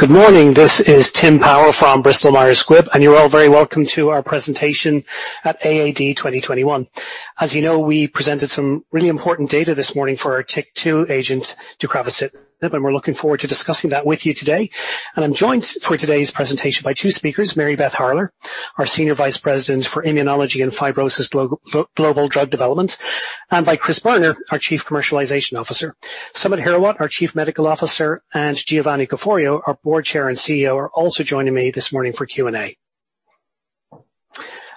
Good morning. This is Tim Power from Bristol-Myers Squibb, you're all very welcome to our presentation at AAD 2021. As you know, we presented some really important data this morning for our TYK2 agent, deucravacitinib, we're looking forward to discussing that with you today. I'm joined for today's presentation by two speakers, Mary Beth Harler, our Senior Vice President for Immunology and Fibrosis Global Drug Development, and by Chris Boerner, our Chief Commercialization Officer. Samit Hirawat, our Chief Medical Officer, and Giovanni Caforio, our Board Chair and CEO, are also joining me this morning for Q&A.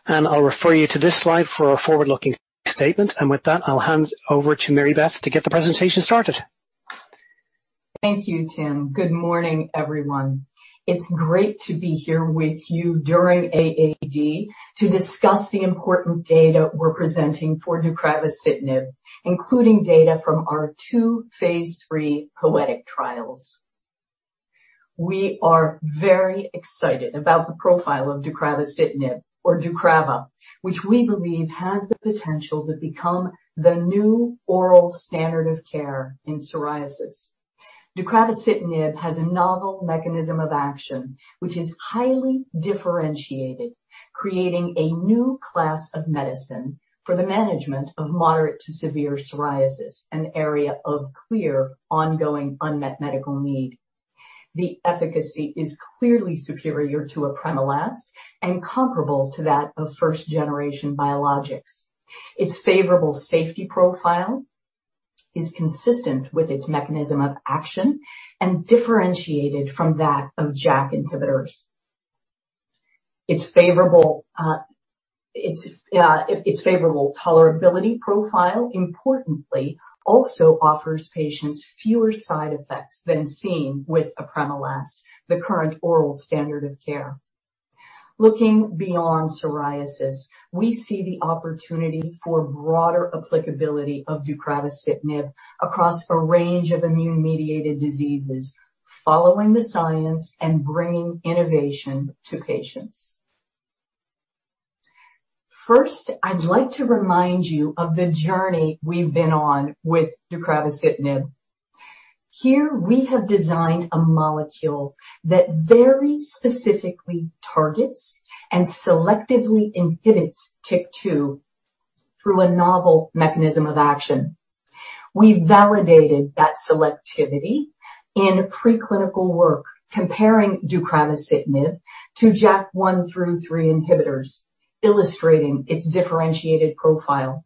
I'll refer you to this slide for our forward-looking statement. With that, I'll hand over to Mary Beth to get the presentation started. Thank you, Tim. Good morning, everyone. It's great to be here with you during AAD to discuss the important data we're presenting for deucravacitinib, including data from our two phase III POETYK trials. We are very excited about the profile of deucravacitinib, or DEUCRAVA, which we believe has the potential to become the new oral standard of care in psoriasis. Deucravacitinib has a novel mechanism of action, which is highly differentiated, creating a new class of medicine for the management of moderate to severe psoriasis, an area of clear, ongoing unmet medical need. The efficacy is clearly superior to apremilast and comparable to that of first generation biologics. Its favorable safety profile is consistent with its mechanism of action and differentiated from that of JAK inhibitors. Its favorable tolerability profile importantly also offers patients fewer side effects than seen with apremilast, the current oral standard of care. Looking beyond psoriasis, we see the opportunity for broader applicability of deucravacitinib across a range of immune-mediated diseases, following the science and bringing innovation to patients. First, I'd like to remind you of the journey we've been on with deucravacitinib. Here we have designed a molecule that very specifically targets and selectively inhibits TYK2 through a novel mechanism of action. We validated that selectivity in preclinical work comparing deucravacitinib to JAK1 through three inhibitors, illustrating its differentiated profile.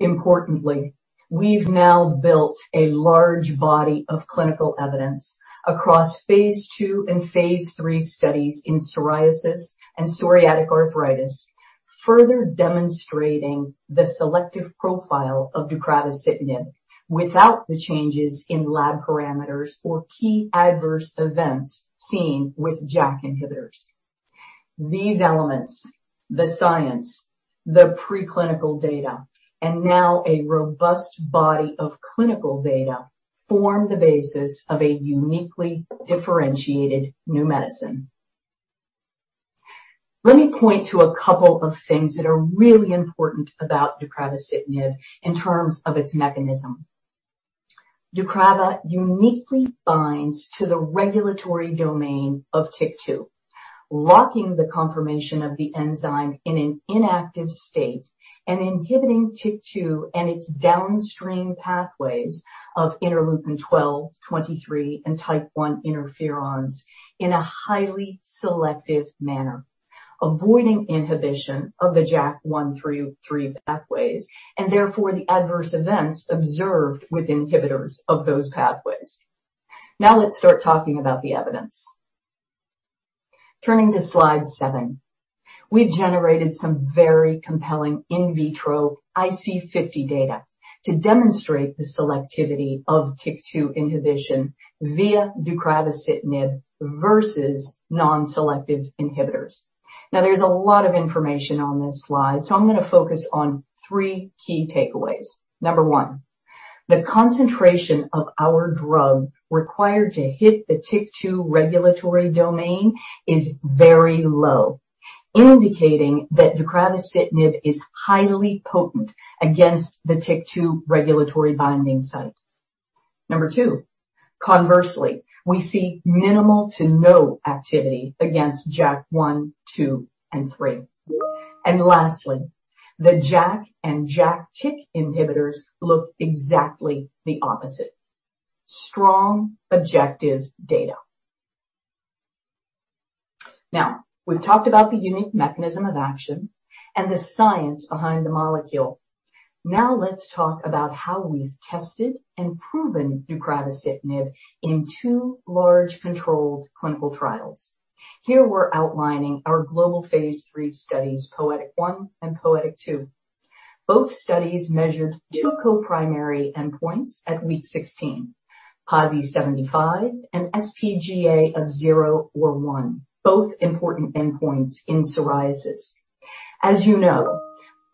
Importantly, we've now built a large body of clinical evidence across phase II and phase III studies in psoriasis and psoriatic arthritis, further demonstrating the selective profile of deucravacitinib without the changes in lab parameters or key adverse events seen with JAK inhibitors. These elements, the science, the preclinical data, and now a robust body of clinical data form the basis of a uniquely differentiated new medicine. Let me point to a couple of things that are really important about deucravacitinib in terms of its mechanism. DEUCRAVA uniquely binds to the regulatory domain of TYK2, locking the conformation of the enzyme in an inactive state and inhibiting TYK2 and its downstream pathways of Interleukin-12, Interleukin-23, and Type I interferons in a highly selective manner. Avoiding inhibition of the JAK1 through JAK3 pathways, and therefore the adverse events observed with inhibitors of those pathways. Now let's start talking about the evidence. Turning to slide seven. We've generated some very compelling in vitro IC50 data to demonstrate the selectivity of TYK2 inhibition via deucravacitinib versus non-selective inhibitors. Now, there's a lot of information on this slide, so I'm going to focus on three key takeaways. Number one, the concentration of our drug required to hit the TYK2 regulatory domain is very low, indicating that deucravacitinib is highly potent against the TYK2 regulatory binding site. Number two, conversely, we see minimal to no activity against JAK1, JAK2, and JAK3. Lastly, the JAK and JAK/TYK inhibitors look exactly the opposite. Strong objective data. We've talked about the unique mechanism of action and the science behind the molecule. Let's talk about how we've tested and proven deucravacitinib in two large controlled clinical trials. Here we're outlining our global phase III studies, POETYK PsA-1 and POETYK PsA-2. Both studies measured two co-primary endpoints at week 16. PASI 75 and sPGA of zero or one, both important endpoints in psoriasis. As you know,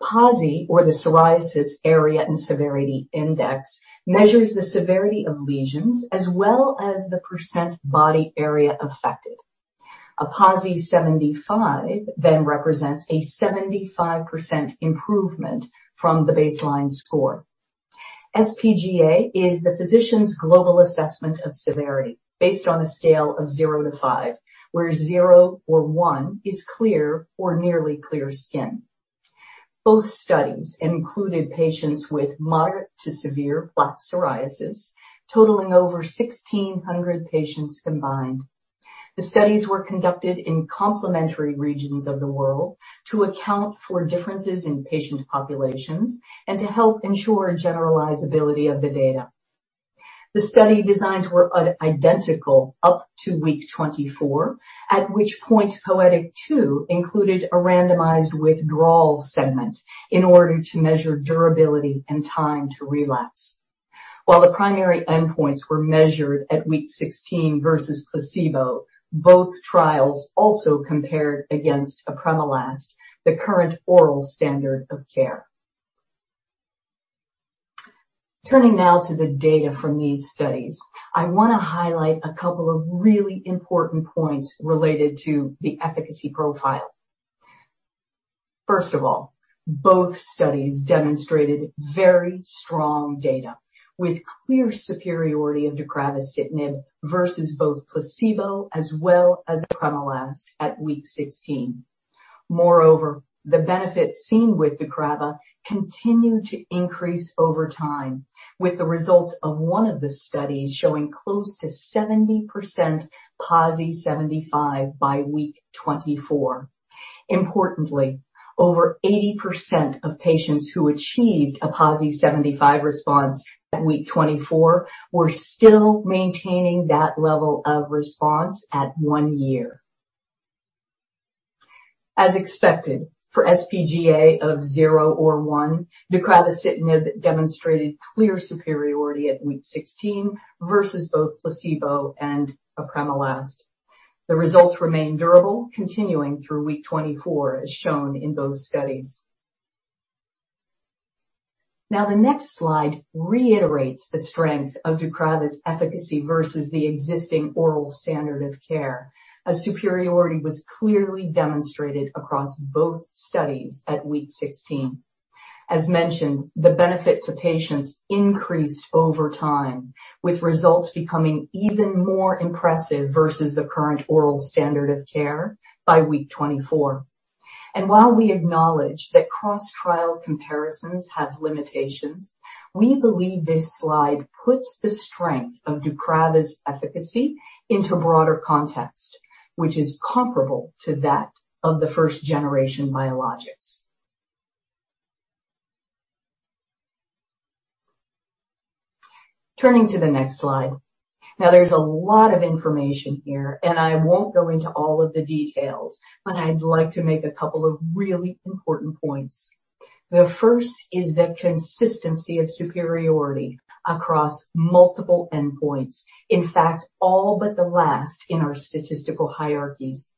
PASI, or the Psoriasis Area and Severity Index, measures the severity of lesions as well as the percent body area affected. A PASI 75 represents a 75% improvement from the baseline score. sPGA is the physician's global assessment of severity based on a scale of zero to five, where zero or one is clear or nearly clear skin. Both studies included patients with moderate to severe plaque psoriasis, totaling over 1,600 patients combined. The studies were conducted in complementary regions of the world to account for differences in patient populations and to help ensure generalizability of the data. The study designs were identical up to week 24, at which point POETYK PsA-2 included a randomized withdrawal segment in order to measure durability and time to relapse. While the primary endpoints were measured at week 16 versus placebo, both trials also compared against apremilast, the current oral standard of care. Turning now to the data from these studies. I want to highlight a couple of really important points related to the efficacy profile. Both studies demonstrated very strong data with clear superiority of deucravacitinib versus both placebo as well as apremilast at week 16. The benefits seen with DEUCRAVA continued to increase over time, with the results of one of the studies showing close to 70% PASI 75 by week 24. Over 80% of patients who achieved a PASI 75 response at week 24 were still maintaining that level of response at one year. For sPGA of zero or one, deucravacitinib demonstrated clear superiority at week 16 versus both placebo and apremilast. The results remain durable, continuing through week 24, as shown in both studies. The next slide reiterates the strength of DEUCRAVA's efficacy versus the existing oral standard of care. A superiority was clearly demonstrated across both studies at week 16. As mentioned, the benefit to patients increased over time, with results becoming even more impressive versus the current oral standard of care by week 24. While we acknowledge that cross-trial comparisons have limitations, we believe this slide puts the strength of DEUCRAVA's efficacy into broader context, which is comparable to that of the first-generation biologics. Turning to the next slide. Now, there's a lot of information here, and I won't go into all of the details, but I'd like to make a couple of really important points. The first is the consistency of superiority across multiple endpoints. In fact, all but the last in our statistical hierarchies.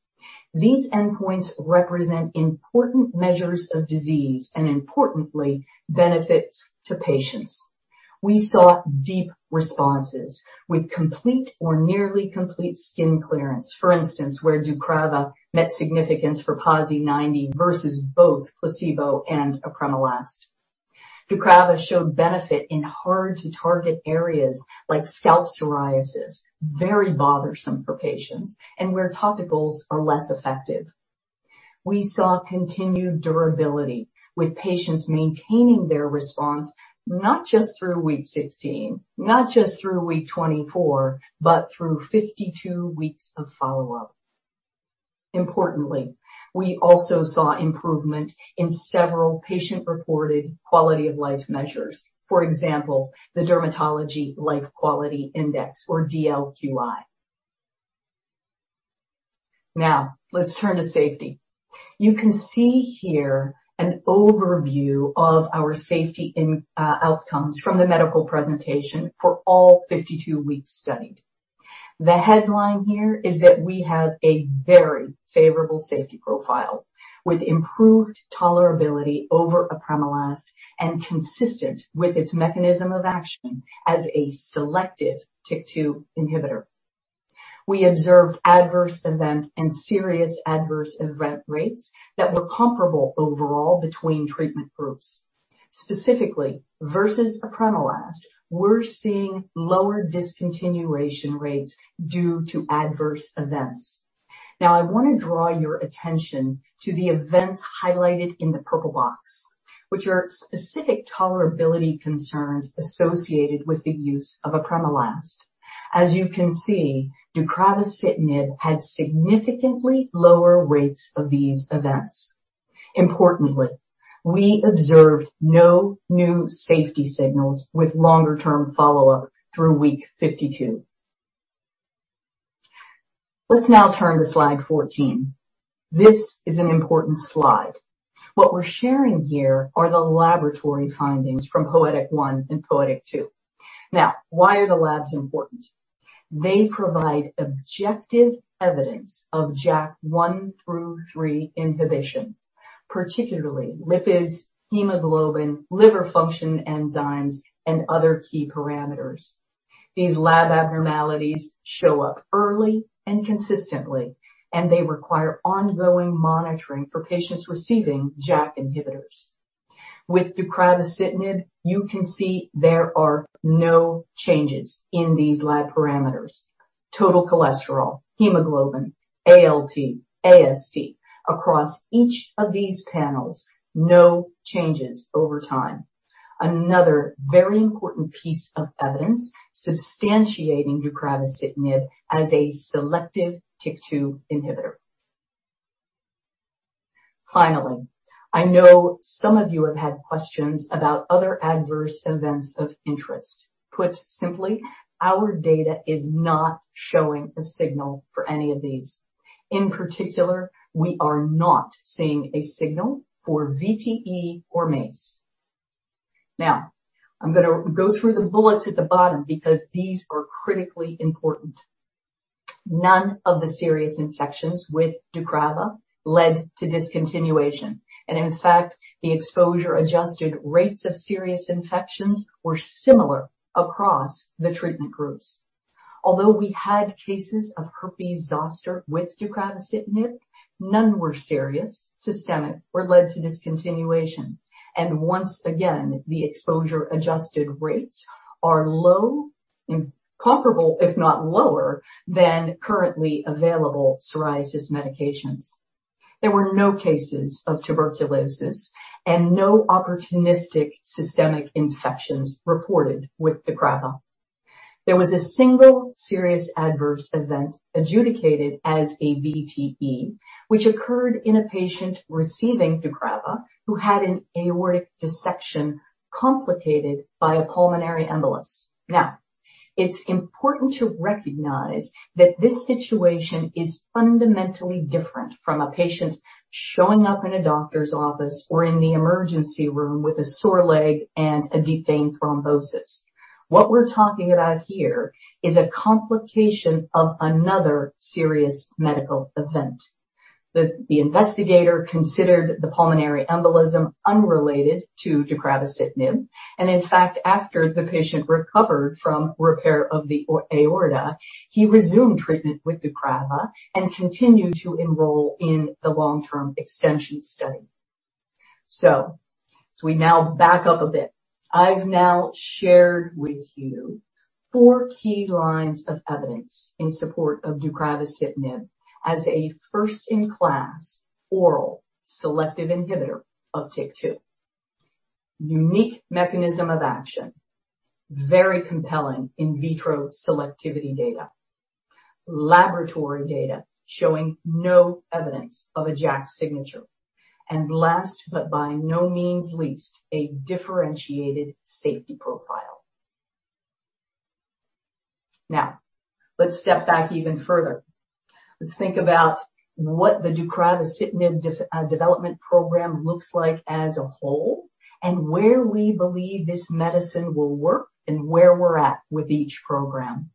These endpoints represent important measures of disease and, importantly, benefits to patients. We saw deep responses with complete or nearly complete skin clearance. For instance, where DEUCRAVA met significance for PASI 90 versus both placebo and apremilast. DEUCRAVA showed benefit in hard-to-target areas like scalp psoriasis, very bothersome for patients, and where topicals are less effective. We saw continued durability with patients maintaining their response not just through week 16, not just through week 24, but through 52 weeks of follow-up. Importantly, we also saw improvement in several patient-reported quality-of-life measures. For example, the Dermatology Life Quality Index, or DLQI. Now, let's turn to safety. You can see here an overview of our safety outcomes from the medical presentation for all 52 weeks studied. The headline here is that we have a very favorable safety profile with improved tolerability over apremilast and consistent with its mechanism of action as a selective TYK2 inhibitor. We observed adverse event and serious adverse event rates that were comparable overall between treatment groups. Specifically, versus apremilast, we're seeing lower discontinuation rates due to adverse events. I want to draw your attention to the events highlighted in the purple box, which are specific tolerability concerns associated with the use of apremilast. As you can see, deucravacitinib had significantly lower rates of these events. Importantly, we observed no new safety signals with longer-term follow-up through week 52. Let's now turn to slide 14. This is an important slide. What we're sharing here are the laboratory findings from POETYK PsA-1 and POETYK PsA-2. Why are the labs important? They provide objective evidence of JAK1 through JAK3 inhibition, particularly lipids, hemoglobin, liver function enzymes, and other key parameters. These lab abnormalities show up early and consistently, and they require ongoing monitoring for patients receiving JAK inhibitors. With deucravacitinib, you can see there are no changes in these lab parameters. Total cholesterol, hemoglobin, ALT, AST. Across each of these panels, no changes over time. Another very important piece of evidence substantiating deucravacitinib as a selective TYK2 inhibitor. Finally, I know some of you have had questions about other adverse events of interest. Put simply, our data is not showing a signal for any of these. In particular, we are not seeing a signal for VTE or MACE. I'm going to go through the bullets at the bottom because these are critically important. None of the serious infections with DEUCRAVA led to discontinuation, and in fact, the exposure-adjusted rates of serious infections were similar across the treatment groups. Although we had cases of herpes zoster with deucravacitinib, none were serious, systemic, or led to discontinuation. Once again, the exposure-adjusted rates are low and comparable, if not lower, than currently available psoriasis medications. There were no cases of tuberculosis and no opportunistic systemic infections reported with DEUCRAVA. There was a single serious adverse event adjudicated as a VTE, which occurred in a patient receiving DEUCRAVA, who had an aortic dissection complicated by a pulmonary embolus. It's important to recognize that this situation is fundamentally different from a patient showing up in a doctor's office or in the emergency room with a sore leg and a deep vein thrombosis. What we're talking about here is a complication of another serious medical event. The investigator considered the pulmonary embolism unrelated to deucravacitinib, in fact, after the patient recovered from repair of the aorta, he resumed treatment with DEUCRAVA and continued to enroll in the long-term extension study. As we now back up a bit, I've now shared with you four key lines of evidence in support of deucravacitinib as a first-in-class oral selective inhibitor of TYK2. Unique mechanism of action. Very compelling in vitro selectivity data. Laboratory data showing no evidence of a JAK signature. Last but by no means least, a differentiated safety profile. Let's step back even further. Let's think about what the deucravacitinib development program looks like as a whole, and where we believe this medicine will work and where we're at with each program.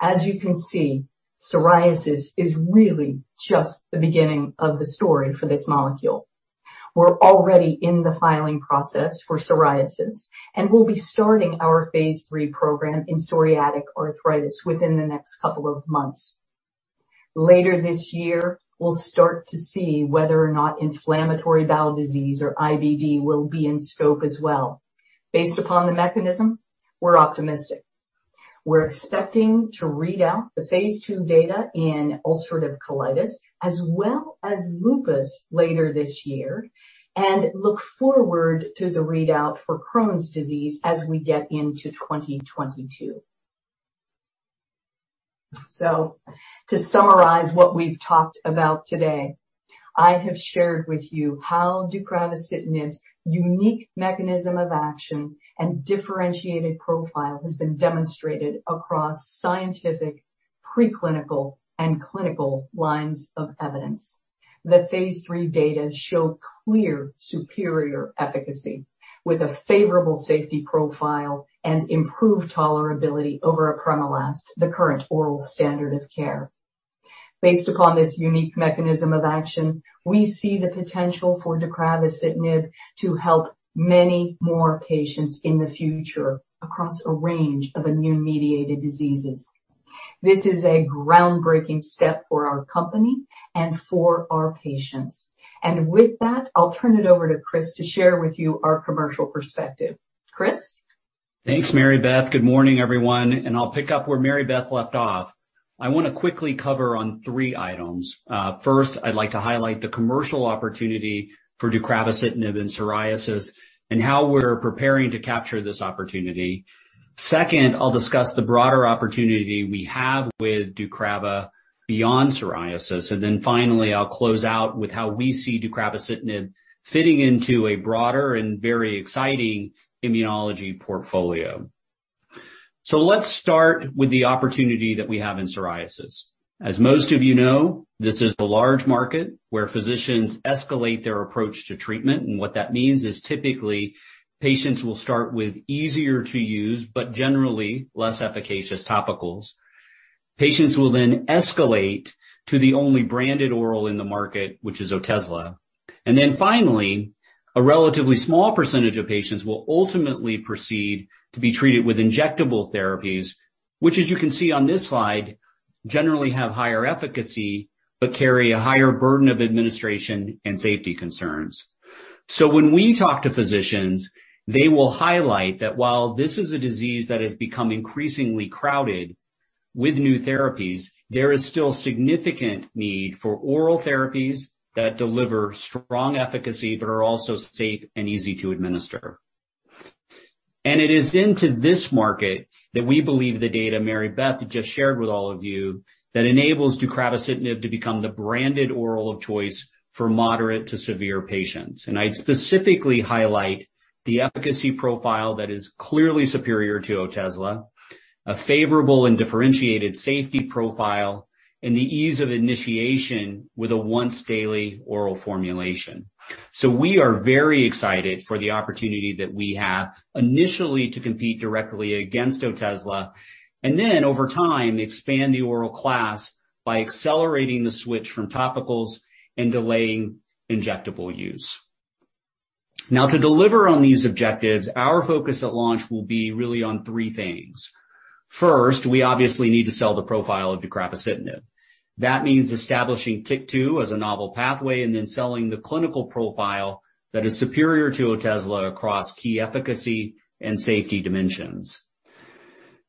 As you can see, psoriasis is really just the beginning of the story for this molecule. We're already in the filing process for psoriasis, and we'll be starting our phase III program in psoriatic arthritis within the next couple of months. Later this year, we'll start to see whether or not inflammatory bowel disease, or IBD, will be in scope as well. Based upon the mechanism, we're optimistic. We're expecting to read out the phase II data in ulcerative colitis as well as lupus later this year, and look forward to the readout for Crohn's disease as we get into 2022. To summarize what we've talked about today, I have shared with you how deucravacitinib's unique mechanism of action and differentiated profile has been demonstrated across scientific, preclinical, and clinical lines of evidence. The phase III data show clear superior efficacy with a favorable safety profile and improved tolerability over apremilast, the current oral standard of care. Based upon this unique mechanism of action, we see the potential for deucravacitinib to help many more patients in the future across a range of immune-mediated diseases. This is a groundbreaking step for our company and for our patients. With that, I'll turn it over to Chris to share with you our commercial perspective. Chris? Thanks, Mary Beth. Good morning, everyone, I'll pick up where Mary Beth left off. I want to quickly cover on three items. First, I'd like to highlight the commercial opportunity for deucravacitinib in psoriasis and how we're preparing to capture this opportunity. Second, I'll discuss the broader opportunity we have with DEUCRAVA beyond psoriasis. Finally, I'll close out with how we see deucravacitinib fitting into a broader and very exciting immunology portfolio. Let's start with the opportunity that we have in psoriasis. As most of you know, this is a large market where physicians escalate their approach to treatment. What that means is typically, patients will start with easier-to-use but generally less efficacious topicals. Patients will then escalate to the only branded oral in the market, which is Otezla. A relatively small percentage of patients will ultimately proceed to be treated with injectable therapies, which as you can see on this slide, generally have higher efficacy but carry a higher burden of administration and safety concerns. When we talk to physicians, they will highlight that while this is a disease that has become increasingly crowded with new therapies, there is still significant need for oral therapies that deliver strong efficacy but are also safe and easy to administer. It is into this market that we believe the data Mary Beth just shared with all of you, that enables deucravacitinib to become the branded oral of choice for moderate to severe patients. I'd specifically highlight the efficacy profile that is clearly superior to Otezla, a favorable and differentiated safety profile, and the ease of initiation with a once-daily oral formulation. We are very excited for the opportunity that we have initially to compete directly against Otezla, then over time, expand the oral class by accelerating the switch from topicals and delaying injectable use. To deliver on these objectives, our focus at launch will be really on three things. First, we obviously need to sell the profile of deucravacitinib. That means establishing TYK2 as a novel pathway and then selling the clinical profile that is superior to Otezla across key efficacy and safety dimensions.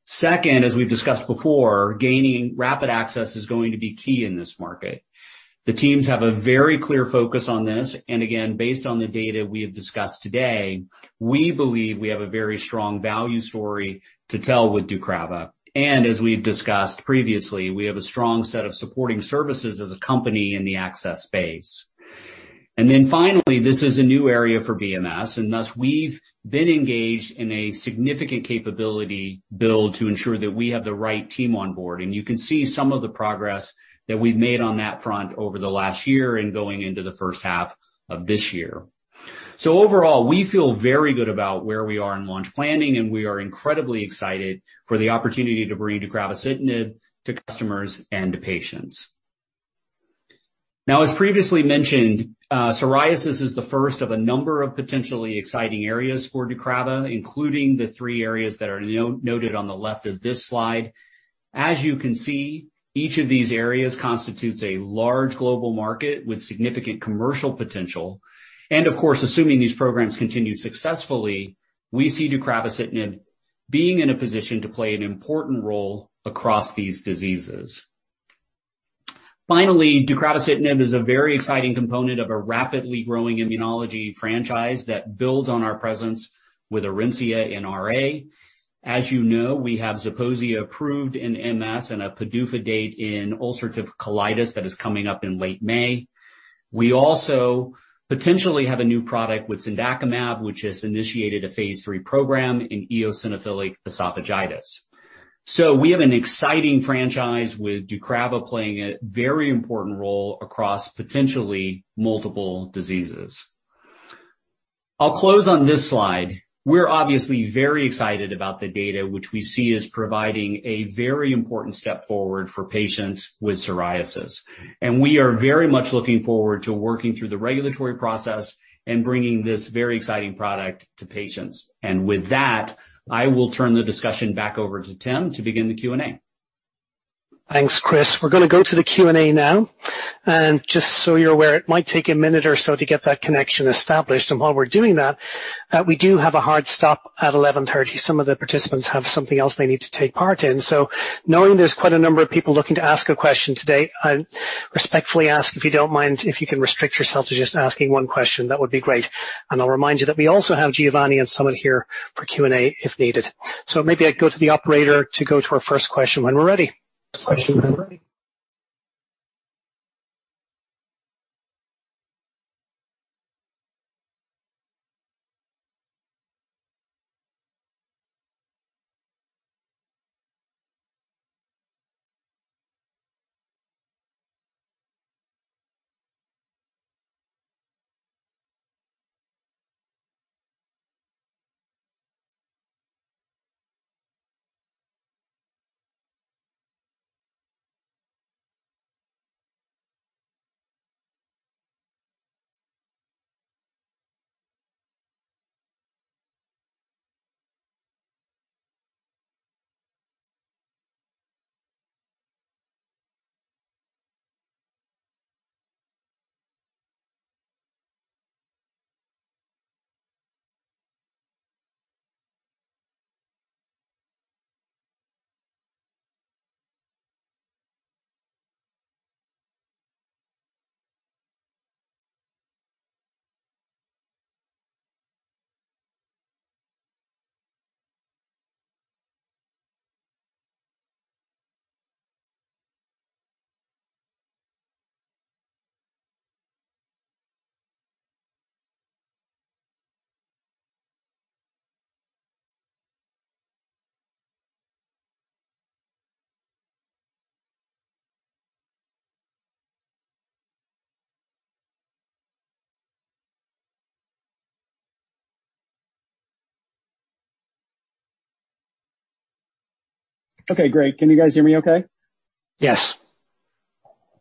Second, as we've discussed before, gaining rapid access is going to be key in this market. The teams have a very clear focus on this, again, based on the data we have discussed today, we believe we have a very strong value story to tell with DEUCRAVA. As we've discussed previously, we have a strong set of supporting services as a company in the access space. Finally, this is a new area for BMS, and thus we've been engaged in a significant capability build to ensure that we have the right team on board. You can see some of the progress that we've made on that front over the last year and going into the first half of this year. Overall, we feel very good about where we are in launch planning, and we are incredibly excited for the opportunity to bring deucravacitinib to customers and to patients. As previously mentioned, psoriasis is the first of a number of potentially exciting areas for DEUCRAVA, including the three areas that are noted on the left of this slide. As you can see, each of these areas constitutes a large global market with significant commercial potential. Of course, assuming these programs continue successfully, we see deucravacitinib being in a position to play an important role across these diseases. Finally, deucravacitinib is a very exciting component of a rapidly growing immunology franchise that builds on our presence with Orencia in RA. As you know, we have Zeposia approved in MS and a PDUFA date in ulcerative colitis that is coming up in late May. We also potentially have a new product with cendakimab, which has initiated a phase III program in eosinophilic esophagitis. We have an exciting franchise with DEUCRAVA playing a very important role across potentially multiple diseases. I'll close on this slide. We're obviously very excited about the data which we see as providing a very important step forward for patients with psoriasis. We are very much looking forward to working through the regulatory process and bringing this very exciting product to patients. With that, I will turn the discussion back over to Tim to begin the Q&A. Thanks, Chris. We're going to go to the Q&A now. Just so you're aware, it might take a minute or so to get that connection established. While we're doing that, we do have a hard stop at 11:30 A.M. Some of the participants have something else they need to take part in. Knowing there's quite a number of people looking to ask a question today, I respectfully ask, if you don't mind, if you can restrict yourself to just asking one question, that would be great. I'll remind you that we also have Giovanni and Samit here for Q&A if needed. Maybe I go to the operator to go to our first question when we're ready. Okay, great. Can you guys hear me okay? Yes.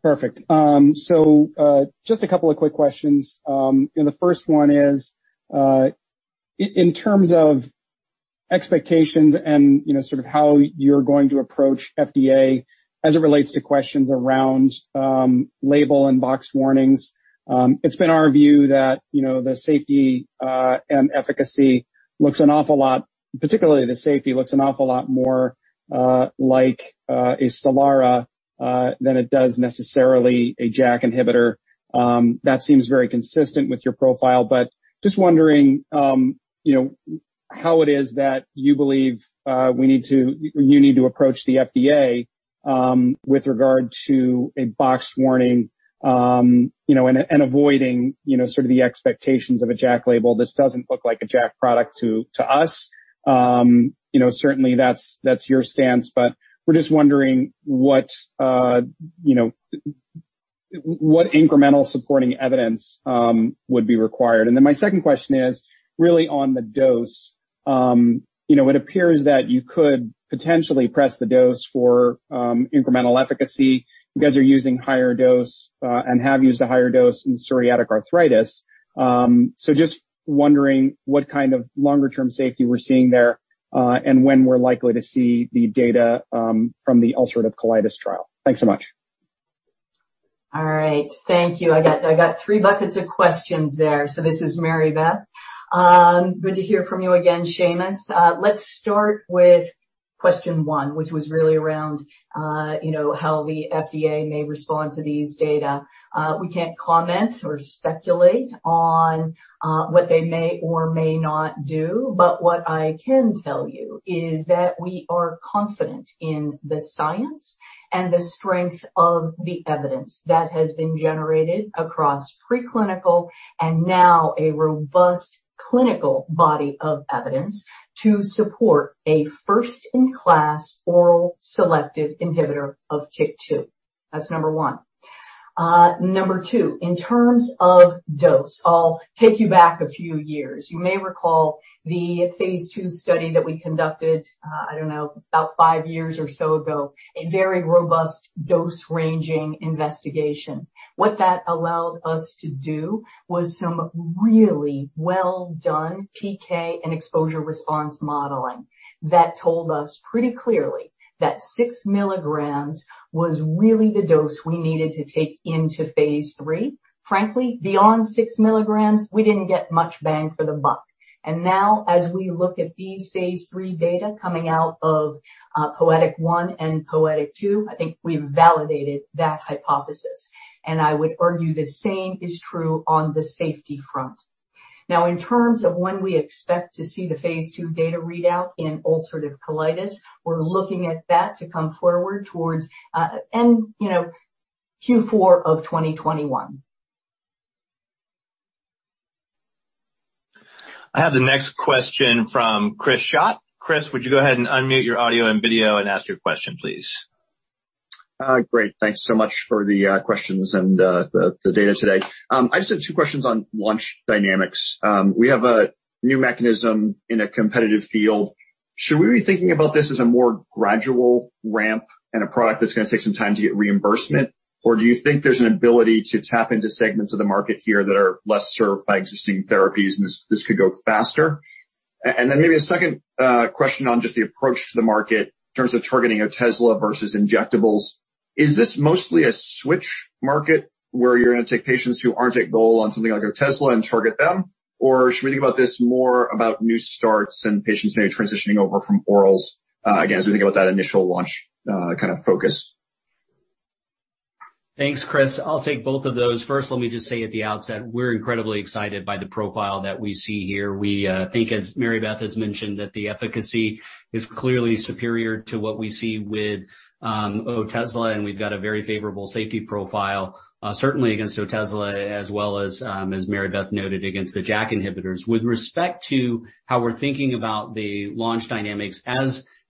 Perfect. Just a couple of quick questions. The first one is, in terms of expectations and sort of how you're going to approach FDA as it relates to questions around label and box warnings. It's been our view that the safety and efficacy looks an awful lot, particularly the safety looks an awful lot more like a Stelara than it does necessarily a JAK inhibitor. That seems very consistent with your profile, but just wondering how it is that you believe you need to approach the FDA, with regard to a box warning, and avoiding sort of the expectations of a JAK label. This doesn't look like a JAK product to us. Certainly that's your stance, but we're just wondering what incremental supporting evidence would be required. My second question is really on the dose. It appears that you could potentially press the dose for incremental efficacy. You guys are using higher dose, and have used a higher dose in psoriatic arthritis. Just wondering what kind of longer term safety we're seeing there, and when we're likely to see the data from the ulcerative colitis trial? Thanks so much. All right. Thank you. I got three buckets of questions there. This is Mary Beth. Good to hear from you again, [Seamus]. Let's start with question one, which was really around how the FDA may respond to these data. We can't comment or speculate on what they may or may not do, but what I can tell you is that we are confident in the science and the strength of the evidence that has been generated across preclinical and now a robust clinical body of evidence to support a first-in-class oral selective inhibitor of TYK2. That's number one. Number two, in terms of dose, I'll take you back a few years. You may recall the phase II study that we conducted, I don't know, about five years or so ago. A very robust dose-ranging investigation. What that allowed us to do was some really well done PK and exposure response modeling that told us pretty clearly that six mg was really the dose we needed to take into phase III. Frankly, beyond six mg, we didn't get much bang for the buck. Now as we look at these phase III data coming out of POETYK PsA-1 and POETYK PsA-2, I think we've validated that hypothesis. I would argue the same is true on the safety front. Now, in terms of when we expect to see the phase II data readout in ulcerative colitis, we're looking at that to come forward towards end Q4 of 2021. I have the next question from [Chris Schott]. Chris, would you go ahead and unmute your audio and video and ask your question, please? Great. Thanks so much for the questions and the data today. I just have two questions on launch dynamics. We have a new mechanism in a competitive field. Should we be thinking about this as a more gradual ramp and a product that's going to take some time to get reimbursement? Do you think there's an ability to tap into segments of the market here that are less served by existing therapies, and this could go faster? Then maybe a second question on just the approach to the market in terms of targeting Otezla versus injectables. Is this mostly a switch market where you're going to take patients who aren't at goal on something like Otezla and target them? Should we think about this more about new starts and patients maybe transitioning over from orals, again, as we think about that initial launch kind of focus? Thanks, Chris. I'll take both of those. First, let me just say at the outset, we're incredibly excited by the profile that we see here. We think, as Mary Beth has mentioned, that the efficacy is clearly superior to what we see with Otezla, and we've got a very favorable safety profile, certainly against Otezla, as well as Mary Beth noted, against the JAK inhibitors. With respect to how we're thinking about the launch dynamics,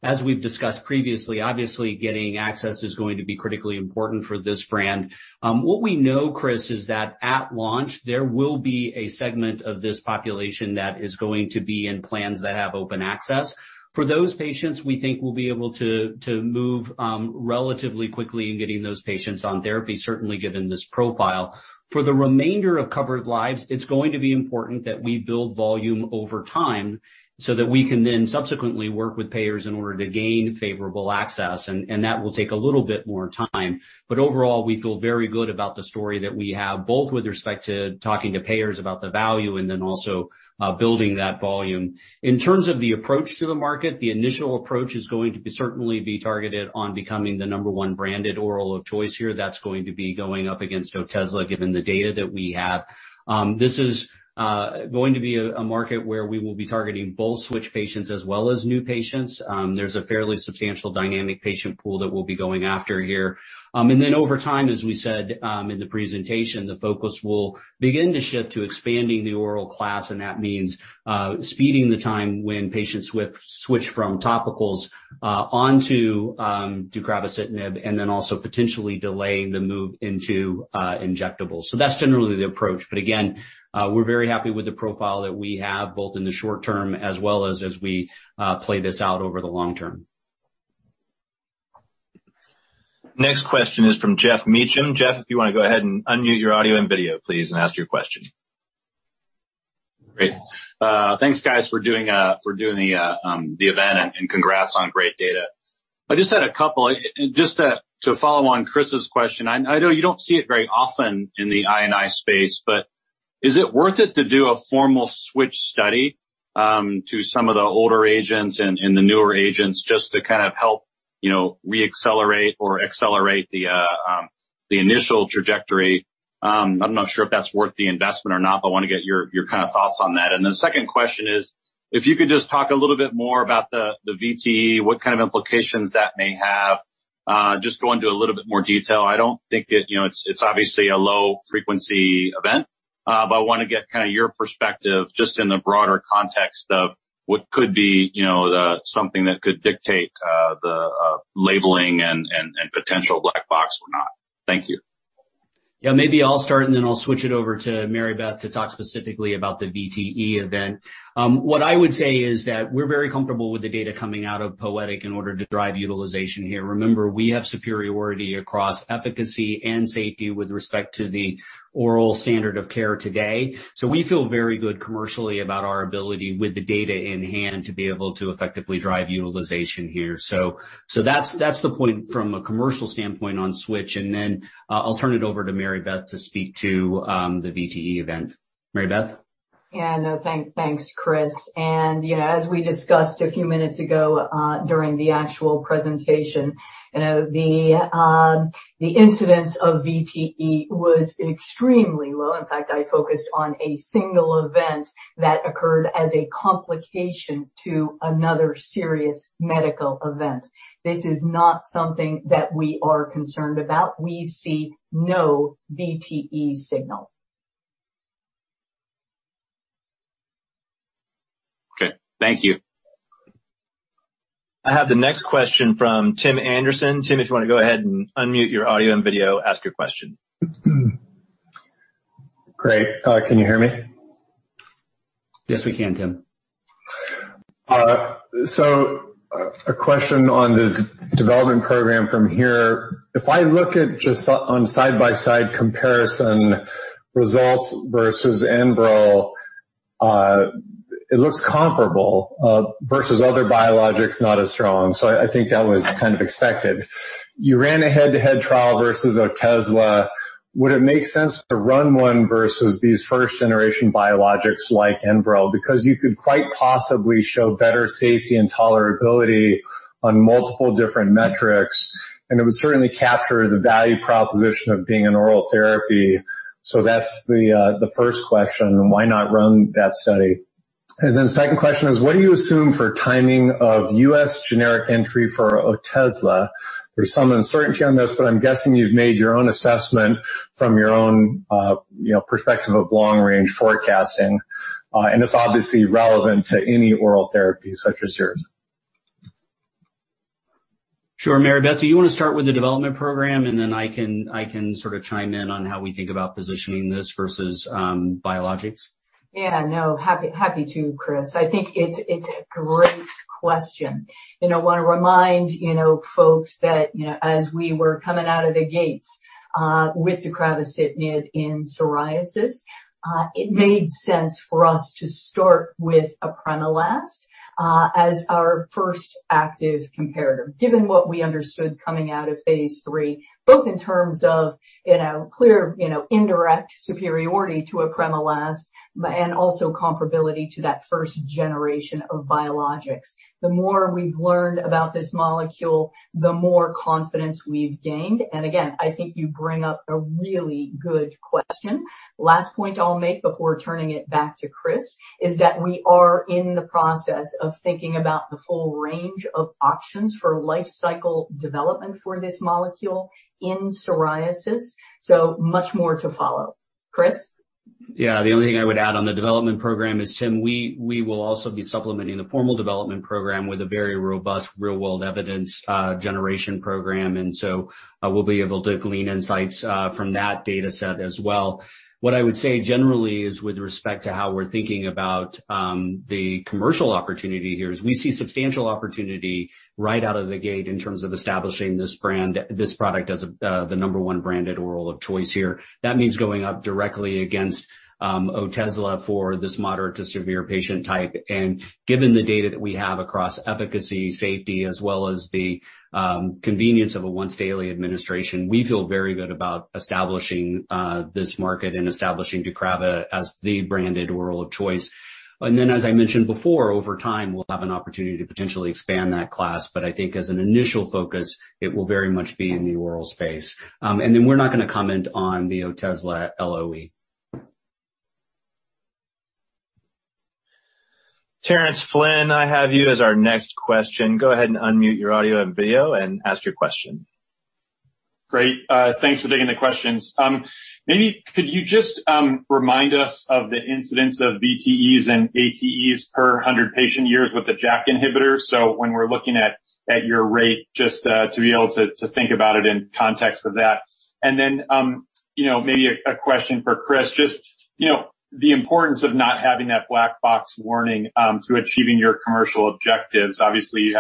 as we've discussed previously, obviously getting access is going to be critically important for this brand. What we know, Chris, is that at launch, there will be a segment of this population that is going to be in plans that have open access. For those patients, we think we'll be able to move relatively quickly in getting those patients on therapy, certainly given this profile. For the remainder of covered lives, it's going to be important that we build volume over time so that we can then subsequently work with payers in order to gain favorable access, and that will take a little bit more time. Overall, we feel very good about the story that we have, both with respect to talking to payers about the value and then also building that volume. In terms of the approach to the market, the initial approach is going to certainly be targeted on becoming the number one branded oral of choice here. That's going to be going up against Otezla given the data that we have. This is going to be a market where we will be targeting both switch patients as well as new patients. There's a fairly substantial dynamic patient pool that we'll be going after here. Then over time, as we said in the presentation, the focus will begin to shift to expanding the oral class, and that means speeding the time when patients switch from topicals onto deucravacitinib and then also potentially delaying the move into injectables. That's generally the approach. Again, we're very happy with the profile that we have, both in the short term as well as we play this out over the long term. Next question is from [Geoff Meacham]. Geoff, if you want to go ahead and unmute your audio and video, please, and ask your question. Great. Thanks, guys, for doing the event and congrats on great data. I just had a couple. Just to follow on Chris's question. I know you don't see it very often in the I&I space, but is it worth it to do a formal switch study? To some of the older agents and the newer agents just to kind of help re-accelerate or accelerate the initial trajectory? I'm not sure if that's worth the investment or not, but I want to get your kind of thoughts on that. The second question is, if you could just talk a little bit more about the VTE. What kind of implications that may have. Just go into a little bit more detail. It's obviously a low-frequency event, but I want to get kind of your perspective just in the broader context of what could be something that could dictate the labeling and potential black box or not? Thank you. Yeah. Maybe I'll start, and then I'll switch it over to Mary Beth to talk specifically about the VTE event. What I would say is that we're very comfortable with the data coming out of POETYK in order to drive utilization here. Remember, we have superiority across efficacy and safety with respect to the oral standard of care today. We feel very good commercially about our ability with the data in hand to be able to effectively drive utilization here. That's the point from a commercial standpoint on Switch, and then I'll turn it over to Mary Beth to speak to the VTE event. Mary Beth? Yeah. No, thanks, Chris. As we discussed a few minutes ago, during the actual presentation, the incidence of VTE was extremely low. In fact, I focused on a single event that occurred as a complication to another serious medical event. This is not something that we are concerned about. We see no VTE signal. Okay. Thank you. I have the next question from [Tim Anderson]. Tim, if you want to go ahead and unmute your audio and video, ask your question. Great. Can you hear me? Yes, we can, Tim. A question on the development program from here. If I look at just on side-by-side comparison results versus Enbrel, it looks comparable, versus other biologics, not as strong. I think that was kind of expected. You ran a head-to-head trial versus Otezla. Would it make sense to run one versus these first-generation biologics like Enbrel? You could quite possibly show better safety and tolerability on multiple different metrics, and it would certainly capture the value proposition of being an oral therapy. That's the first question, why not run that study? Second question is what do you assume for timing of U.S. generic entry for Otezla? There's some uncertainty on this, but I'm guessing you've made your own assessment from your own perspective of long-range forecasting. It's obviously relevant to any oral therapy such as yours. Sure. Mary Beth, do you want to start with the development program, and then I can sort of chime in on how we think about positioning this versus biologics? Yeah. No, happy to, Chris. I think it's a great question. I want to remind folks that as we were coming out of the gates, with deucravacitinib in psoriasis, it made sense for us to start with apremilast, as our first active comparator, given what we understood coming out of phase III, both in terms of clear indirect superiority to apremilast and also comparability to that first generation of biologics. The more we've learned about this molecule, the more confidence we've gained. Again, I think you bring up a really good question. Last point I'll make before turning it back to Chris is that we are in the process of thinking about the full range of options for life cycle development for this molecule in psoriasis. Much more to follow. Chris? The only thing I would add on the development program is, Tim, we will also be supplementing the formal development program with a very robust real-world evidence generation program, and so we'll be able to glean insights from that data set as well. What I would say generally is with respect to how we're thinking about the commercial opportunity here is we see substantial opportunity right out of the gate in terms of establishing this product as the number one branded oral of choice here. That means going up directly against Otezla for this moderate to severe patient type. Given the data that we have across efficacy, safety, as well as the convenience of a once-daily administration, we feel very good about establishing this market and establishing DEUCRAVA as the branded oral of choice. As I mentioned before, over time, we'll have an opportunity to potentially expand that class. I think as an initial focus, it will very much be in the oral space. We're not going to comment on the Otezla LOE. [Terence Flynn], I have you as our next question. Go ahead and unmute your audio and video and ask your question. Great. Thanks for taking the questions. Maybe could you just remind us of the incidence of VTEs and ATEs per 100 patient years with the JAK inhibitor? When we're looking at your rate, just to be able to think about it in context of that. Maybe a question for Chris, just the importance of not having that black box warning to achieving your commercial objectives. Obviously,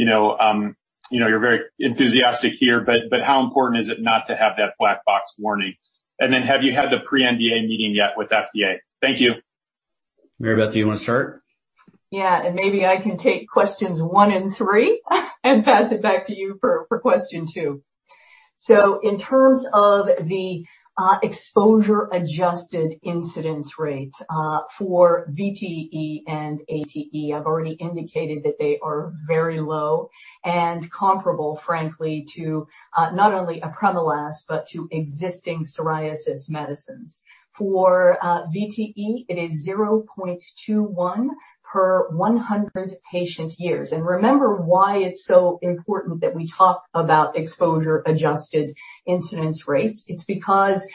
you're very enthusiastic here, but how important is it not to have that black box warning? Have you had the pre-NDA meeting yet with FDA? Thank you. Mary Beth, do you want to start? Yeah. Maybe I can take questions one and three and pass it back to you for question two. In terms of the exposure-adjusted incidence rates for VTE and ATE, I've already indicated that they are very low and comparable, frankly, to not only apremilast, but to existing psoriasis medicines. For VTE, it is 0.21 per 100 patient years. Remember why it's so important that we talk about exposure-adjusted incidence rates. It's because,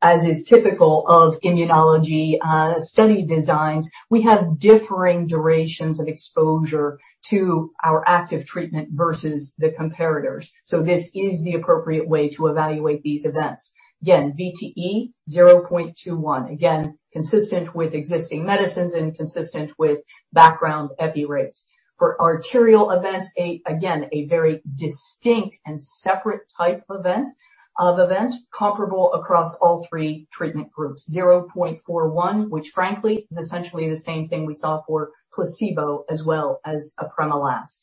as is typical of immunology study designs, we have differing durations of exposure to our active treatment versus the comparators. This is the appropriate way to evaluate these events. Again, VTE, 0.21. Again, consistent with existing medicines and consistent with background epi rates. For arterial events, again, a very distinct and separate type of event, comparable across all three treatment groups. 0.41, which frankly, is essentially the same thing we saw for placebo as well as apremilast.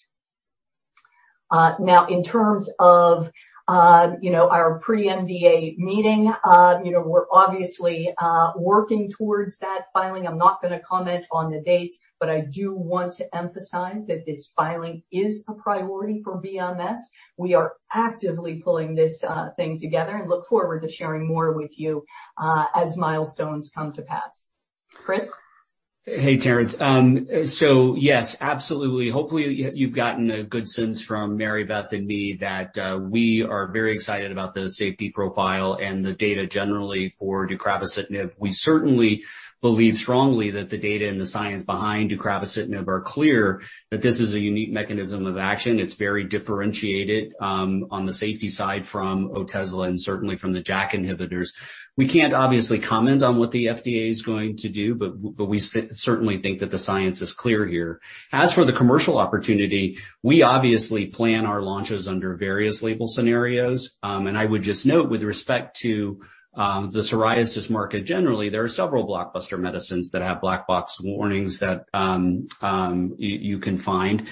Now, in terms of our pre-NDA meeting, we're obviously working towards that filing. I'm not going to comment on the dates, but I do want to emphasize that this filing is a priority for BMS. We are actively pulling this thing together and look forward to sharing more with you as milestones come to pass. Chris? Hey, Terence. Yes, absolutely. Hopefully, you've gotten a good sense from Mary Beth and me that we are very excited about the safety profile and the data generally for deucravacitinib. We certainly believe strongly that the data and the science behind deucravacitinib are clear that this is a unique mechanism of action. It's very differentiated on the safety side from Otezla and certainly from the JAK inhibitors. We can't obviously comment on what the FDA is going to do, but we certainly think that the science is clear here. As for the commercial opportunity, we obviously plan our launches under various label scenarios. I would just note with respect to the psoriasis market generally, there are several blockbuster medicines that have black box warnings that you can find.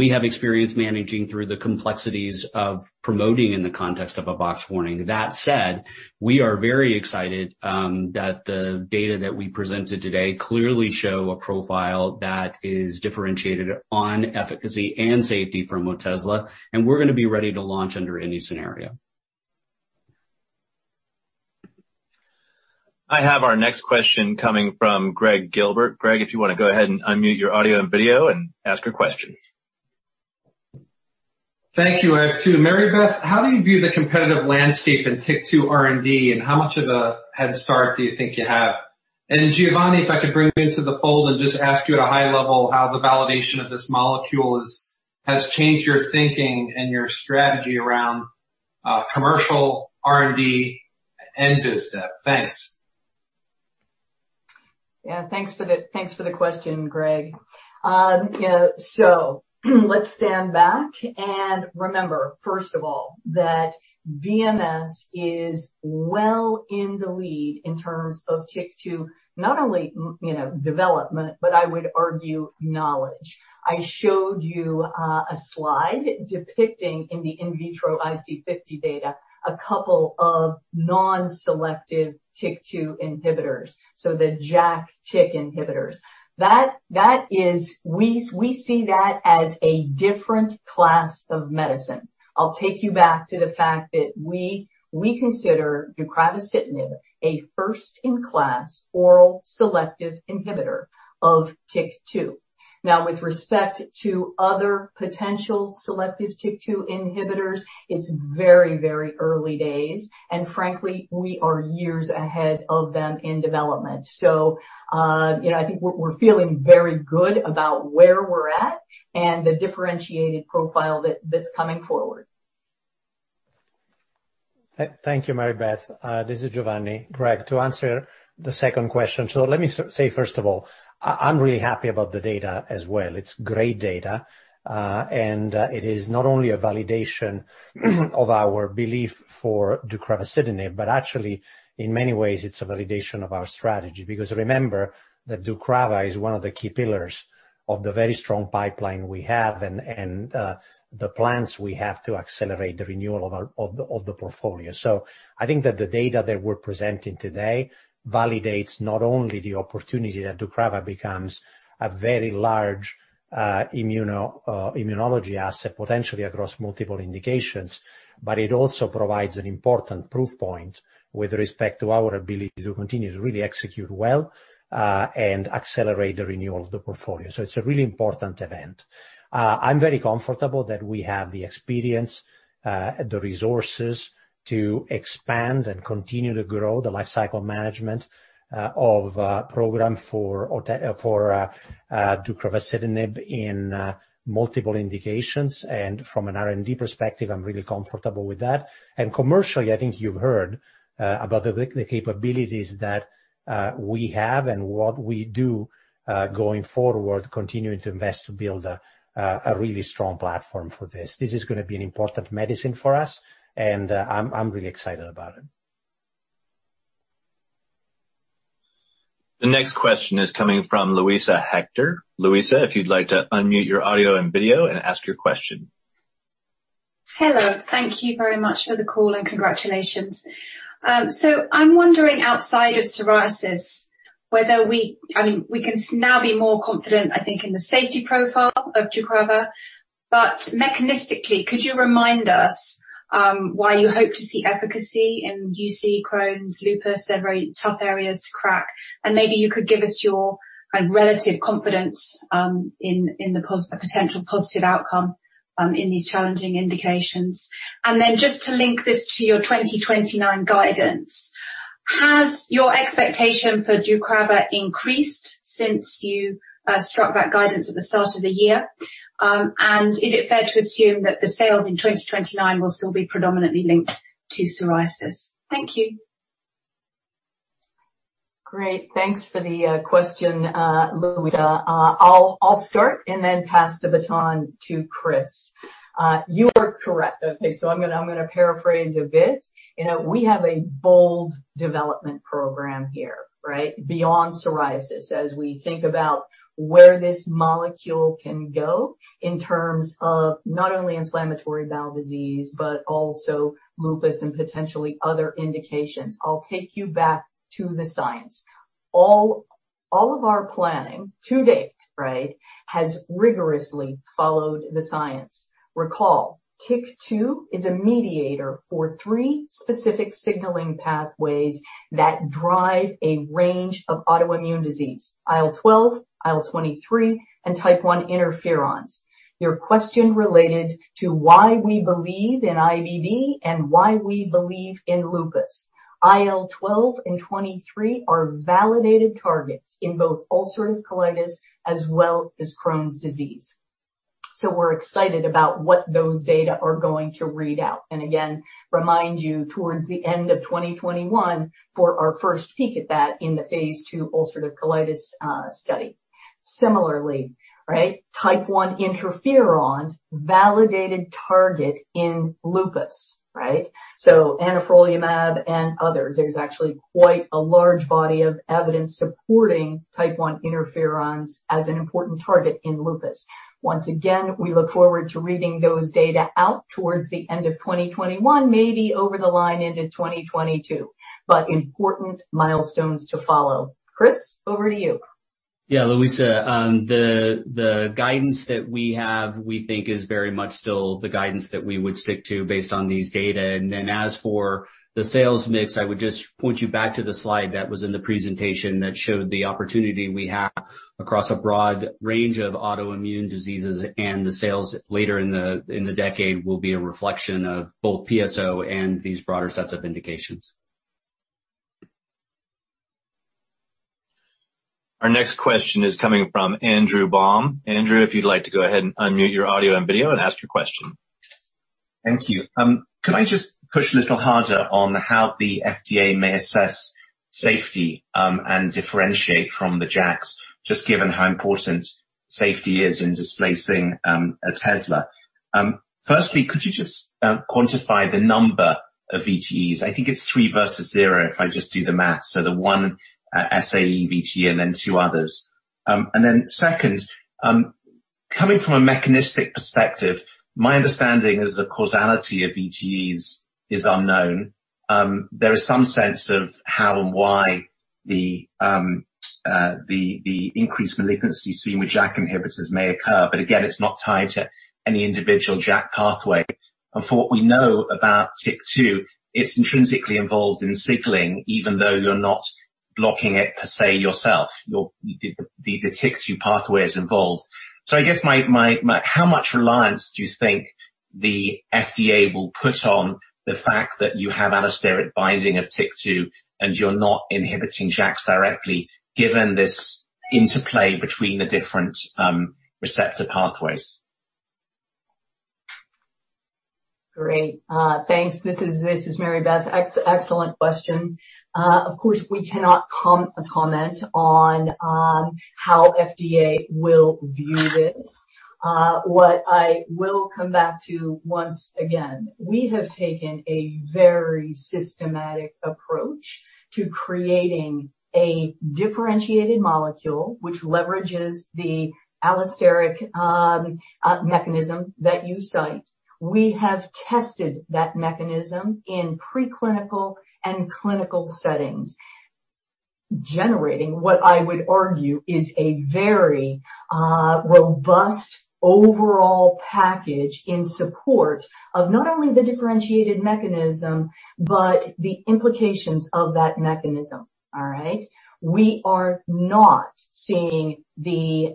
We have experience managing through the complexities of promoting in the context of a box warning. That said, we are very excited that the data that we presented today clearly show a profile that is differentiated on efficacy and safety from Otezla, and we're going to be ready to launch under any scenario. I have our next question coming from [Gregg Gilbert]. Gregg, if you want to go ahead and unmute your audio and video and ask your question. Thank you. I have two. Mary Beth, how do you view the competitive landscape in TYK2 R&D? And how much of a head start do you think you have? Giovanni, if I could bring you into the fold and just ask you at a high level how the validation of this molecule has changed your thinking and your strategy around commercial R&D and biz dev? Thanks. Thanks for the question, Gregg. Let's stand back and remember, first of all, that BMS is well in the lead in terms of TYK2, not only development, but I would argue knowledge. I showed you a slide depicting in the in vitro IC50 data, a couple of non-selective TYK2 inhibitors. The JAK/TYK inhibitors. We see that as a different class of medicine. I'll take you back to the fact that we consider deucravacitinib a first-in-class oral selective inhibitor of TYK2. With respect to other potential selective TYK2 inhibitors, it's very early days, and frankly, we are years ahead of them in development. I think we're feeling very good about where we're at and the differentiated profile that's coming forward. Thank you, Mary Beth. This is Giovanni. Gregg, to answer the second question. Let me say, first of all, I'm really happy about the data as well. It's great data. It is not only a validation of our belief for deucravacitinib, but actually in many ways, it's a validation of our strategy. Remember that DEUCRAVA is one of the key pillars of the very strong pipeline we have and the plans we have to accelerate the renewal of the portfolio. I think that the data that we're presenting today validates not only the opportunity that DEUCRAVA becomes a very large immunology asset potentially across multiple indications, but it also provides an important proof point with respect to our ability to continue to really execute well and accelerate the renewal of the portfolio. It's a really important event. I'm very comfortable that we have the experience, the resources to expand and continue to grow the lifecycle management of program for deucravacitinib in multiple indications. From an R&D perspective, I'm really comfortable with that. Commercially, I think you've heard about the capabilities that we have and what we do going forward, continuing to invest to build a really strong platform for this. This is going to be an important medicine for us, and I'm really excited about it. The next question is coming from [Luisa Hector]. Luisa, if you'd like to unmute your audio and video and ask your question. Hello. Thank you very much for the call, and congratulations. I'm wondering, outside of psoriasis, whether we can now be more confident, I think, in the safety profile of DEUCRAVA. Mechanistically, could you remind us why you hope to see efficacy in UC, Crohn's disease, and lupus? They're very tough areas to crack. Maybe you could give us your relative confidence in the potential positive outcome in these challenging indications? Then just to link this to your 2029 guidance, has your expectation for DEUCRAVA increased since you struck that guidance at the start of the year? Is it fair to assume that the sales in 2029 will still be predominantly linked to psoriasis? Thank you. Great. Thanks for the question, Luisa. I'll start and then pass the baton to Chris. You are correct. I'm going to paraphrase a bit. We have a bold development program here, right? Beyond psoriasis, as we think about where this molecule can go in terms of not only inflammatory bowel disease, but also lupus and potentially other indications. I'll take you back to the science. All of our planning to date, right, has rigorously followed the science. Recall, TYK2 is a mediator for three specific signaling pathways that drive a range of autoimmune disease. IL-12, IL-23, and Type I interferons. Your question related to why we believe in IBD and why we believe in lupus. IL-12 and 23 are validated targets in both ulcerative colitis as well as Crohn's disease. We're excited about what those data are going to read out. Again, remind you towards the end of 2021 for our first peek at that in the phase II ulcerative colitis study. Similarly, Type I interferons, validated target in lupus. Anifrolumab and others, there's actually quite a large body of evidence supporting Type I interferons as an important target in lupus. Once again, we look forward to reading those data out towards the end of 2021, maybe over the line into 2022. Important milestones to follow. Chris, over to you. Yeah, Luisa. The guidance that we have, we think is very much still the guidance that we would stick to based on these data. As for the sales mix, I would just point you back to the slide that was in the presentation that showed the opportunity we have across a broad range of autoimmune diseases. The sales later in the decade will be a reflection of both PSO and these broader sets of indications. Our next question is coming from [Andrew Baum]. Andrew, if you'd like to go ahead and unmute your audio and video and ask your question. Thank you. Can I just push a little harder on how the FDA may assess safety and differentiate from the JAKs, just given how important safety is in displacing Otezla? Could you just quantify the number of VTEs? I think it's three versus zero if I just do the math. The one SAE VTE and then two others. Second, coming from a mechanistic perspective, my understanding is the causality of VTEs is unknown. There is some sense of how and why the increased malignancy seen with JAK inhibitors may occur. Again, it's not tied to any individual JAK pathway. For what we know about TYK2, it's intrinsically involved in signaling, even though you're not blocking it per se yourself, the TYK2 pathway is involved. I guess how much reliance do you think the FDA will put on the fact that you have allosteric binding of TYK2 and you're not inhibiting JAKs directly, given this interplay between the different receptor pathways? Great. Thanks. This is Mary Beth. Excellent question. Of course, we cannot comment on how FDA will view this. What I will come back to, once again, we have taken a very systematic approach to creating a differentiated molecule, which leverages the allosteric mechanism that you cite. We have tested that mechanism in preclinical and clinical settings, generating what I would argue is a very robust overall package in support of not only the differentiated mechanism, but the implications of that mechanism. All right? We are not seeing a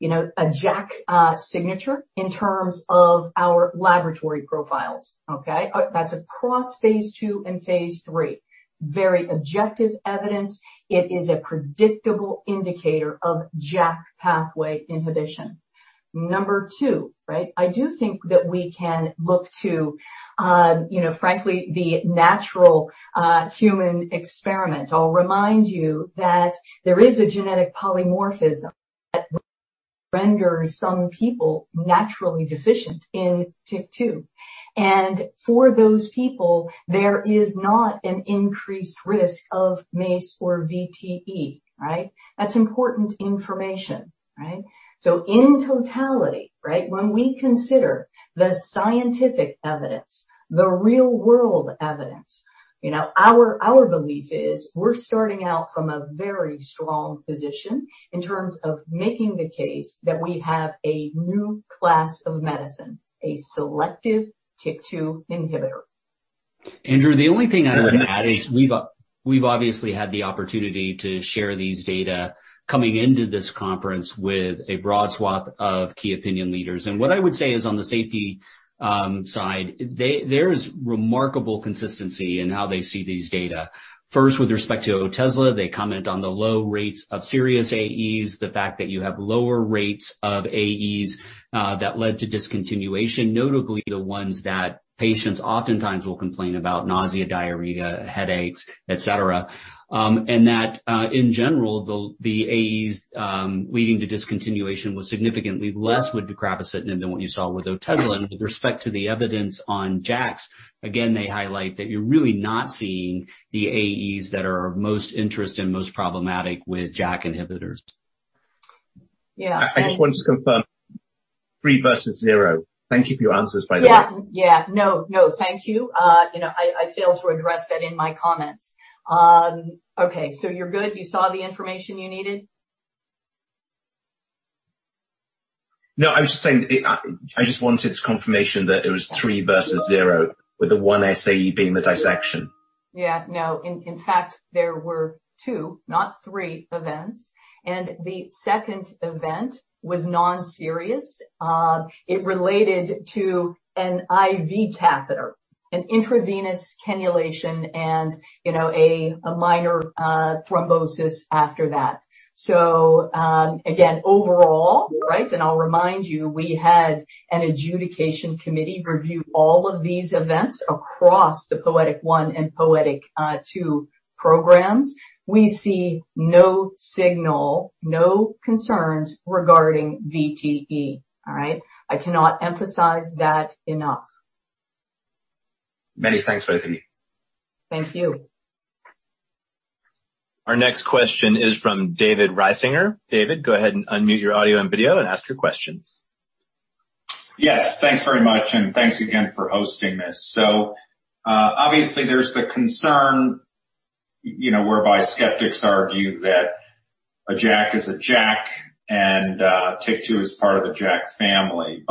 JAK signature in terms of our laboratory profiles. Okay? That's across phase II and phase III. Very objective evidence. It is a predictable indicator of JAK pathway inhibition. Number two, right? I do think that we can look to frankly, the natural human experiment. I'll remind you that there is a genetic polymorphism that renders some people naturally deficient in TYK2. For those people, there is not an increased risk of MACE or VTE. That's important information. In totality, when we consider the scientific evidence, the real-world evidence, our belief is we're starting out from a very strong position in terms of making the case that we have a new class of medicine, a selective TYK2 inhibitor. Andrew, the only thing I would add is we've obviously had the opportunity to share these data coming into this conference with a broad swath of key opinion leaders. What I would say is on the safety side, there is remarkable consistency in how they see these data. First, with respect to Otezla, they comment on the low rates of serious AEs, the fact that you have lower rates of AEs that led to discontinuation, notably the ones that patients oftentimes will complain about, nausea, diarrhea, headaches, et cetera. That, in general, the AEs leading to discontinuation was significantly less with deucravacitinib than what you saw with Otezla. With respect to the evidence on JAKs, again, they highlight that you're really not seeing the AEs that are of most interest and most problematic with JAK inhibitors. Yeah. I just want to confirm, three versus zero? Thank you for your answers, by the way. Yeah. No, thank you. I failed to address that in my comments. Okay, so you're good? You saw the information you needed? No, I was just saying, I just wanted confirmation that it was three versus zero, with the one SAE being the dissection. Yeah, no. In fact, there were two, not three events, and the second event was non-serious. It related to an IV catheter, an intravenous cannulation, and a minor thrombosis after that. Again, overall, and I'll remind you, we had an adjudication committee review all of these events across the POETYK PsA-1 and POETYK PsA-2 programs. We see no signal, no concerns regarding VTE. I cannot emphasize that enough. Many thanks, both of you. Thank you. Our next question is from [David Risinger]. David, go ahead and unmute your audio and video and ask your question. Yes, thanks very much, and thanks again for hosting this. Obviously there's the concern whereby skeptics argue that a JAK is a JAK and TYK2 is part of the JAK family.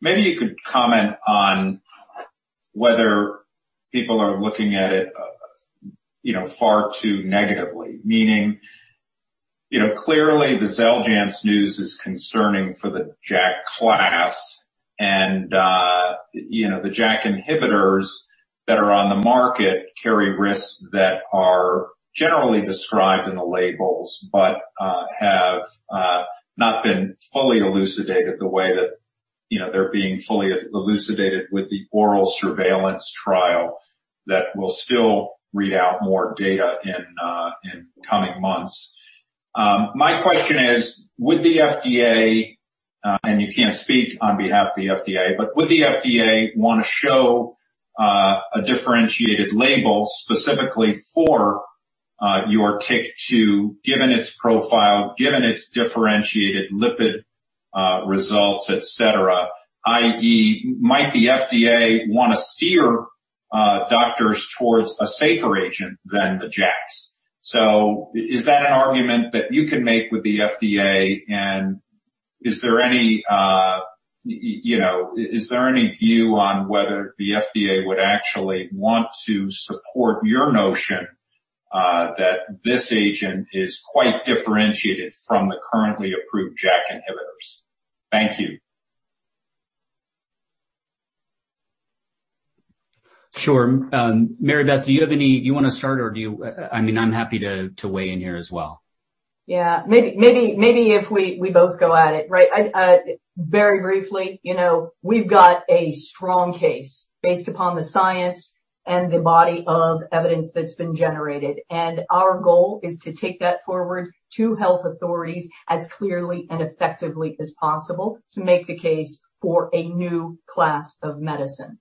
Maybe you could comment on whether people are looking at it far too negatively. Meaning, clearly the XELJANZ news is concerning for the JAK class. The JAK inhibitors that are on the market carry risks that are generally described in the labels but have not been fully elucidated the way that they're being fully elucidated with the oral surveillance trial that will still read out more data in coming months. My question is, would the FDA, and you can't speak on behalf of the FDA, but would the FDA want to show a differentiated label specifically for your TYK2, given its profile, given its differentiated lipid results, et cetera? I.e., might the FDA want to steer doctors towards a safer agent than the JAKs? Is that an argument that you can make with the FDA, and is there any view on whether the FDA would actually want to support your notion that this agent is quite differentiated from the currently approved JAK inhibitors? Thank you. Sure. Mary Beth, do you want to start, or I'm happy to weigh in here as well? Yeah. Maybe if we both go at it. Very briefly, we've got a strong case based upon the science and the body of evidence that's been generated. Our goal is to take that forward to health authorities as clearly and effectively as possible to make the case for a new class of medicine.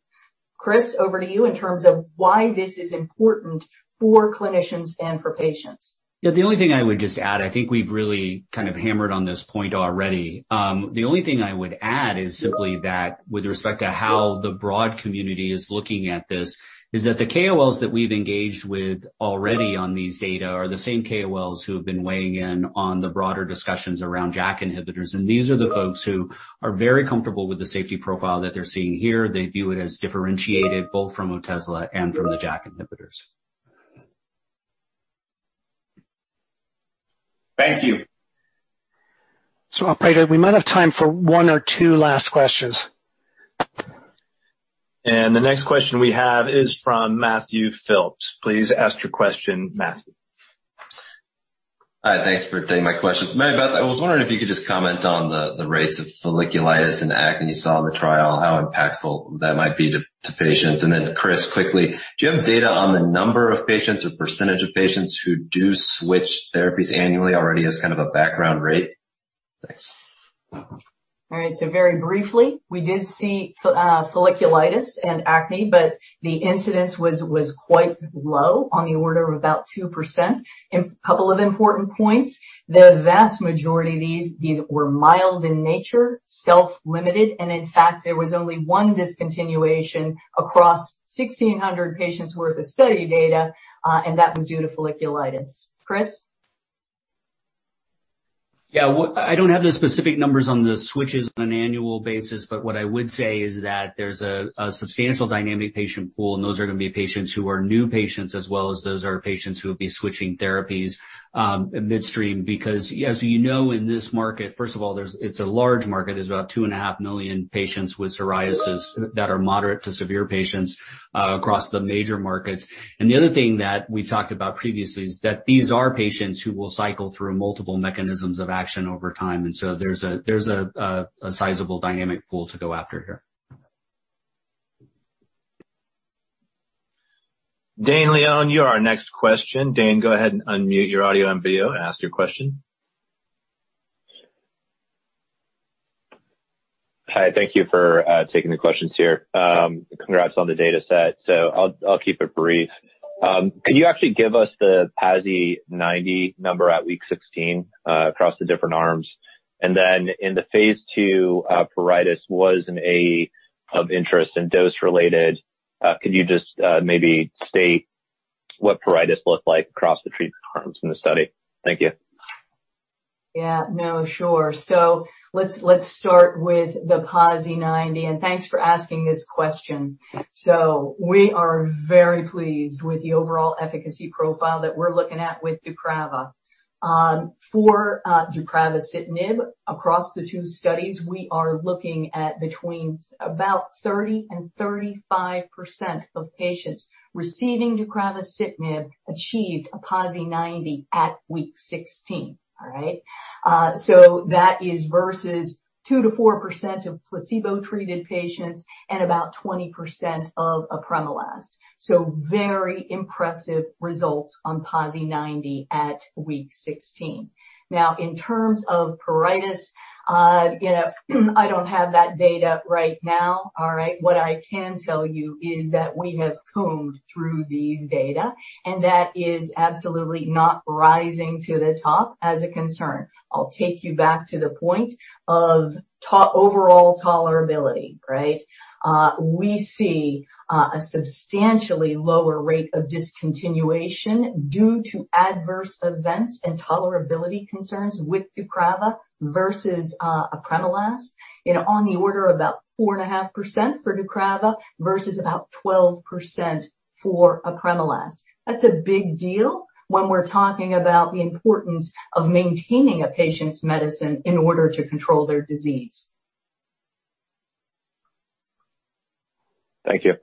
Chris, over to you in terms of why this is important for clinicians and for patients. The only thing I would just add, I think we've really kind of hammered on this point already. The only thing I would add is simply that with respect to how the broad community is looking at this, is that the KOLs that we've engaged with already on these data are the same KOLs who have been weighing in on the broader discussions around JAK inhibitors. These are the folks who are very comfortable with the safety profile that they're seeing here. They view it as differentiated both from Otezla and from the JAK inhibitors. Thank you. Operator, we might have time for one or two last questions. The next question we have is from [Matthew Phillips]. Please ask your question, Matt. Hi, thanks for taking my questions. Mary Beth, I was wondering if you could just comment on the rates of folliculitis and acne you saw in the trial. How impactful that might be to patients? Then Chris, quickly, do you have data on the number of patients or percentage of patients who do switch therapies annually already as kind of a background rate? All right. Very briefly, we did see folliculitis and acne, but the incidence was quite low, on the order of about 2%. A couple of important points. The vast majority of these were mild in nature, self-limited, and in fact, there was only one discontinuation across 1,600 patients worth of study data, and that was due to folliculitis. Chris? Yeah. I don't have the specific numbers on the switches on an an annual basis, but what I would say is that there's a substantial dynamic patient pool, and those are going to be patients who are new patients as well as those are patients who will be switching therapies midstream. Because as you know, in this market, first of all, it's a large market. There's about 2.5 million patients with psoriasis that are moderate to severe patients across the major markets. The other thing that we've talked about previously is that these are patients who will cycle through multiple mechanisms of action over time, there's a sizable dynamic pool to go after here. [Dane Leone], you are our next question. Dane, go ahead and unmute your audio and video and ask your question. Hi, thank you for taking the questions here. Congrats on the data set. I'll keep it brief. Could you actually give us the PASI 90 number at week 16 across the different arms? In the phase II, pruritus was an AE of interest and dose-related. Could you just maybe state what pruritus looked like across the treatment arms in the study? Thank you. Yeah. No, sure. Let's start with the PASI 90, and thanks for asking this question. We are very pleased with the overall efficacy profile that we're looking at with DEUCRAVA. For deucravacitinib across the two studies, we are looking at between about 30% and 35% of patients receiving deucravacitinib achieved a PASI 90 at week 16. All right? That is versus 2%-4% of placebo-treated patients and about 20% of apremilast. Very impressive results on PASI 90 at week 16. Now, in terms of pruritus, I don't have that data right now. All right? What I can tell you is that we have combed through these data, and that is absolutely not rising to the top as a concern. I'll take you back to the point of overall tolerability. Right? We see a substantially lower rate of discontinuation due to adverse events and tolerability concerns with DEUCRAVA versus apremilast on the order of about 4.5% for DEUCRAVA versus about 12% for apremilast. That's a big deal when we're talking about the importance of maintaining a patient's medicine in order to control their disease. Thank you.